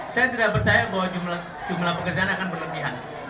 saya tidak percaya bahwa jumlah pekerjaan akan berlebihan